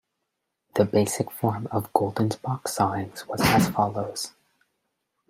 The basic form of Goldin's box sawings was as follows.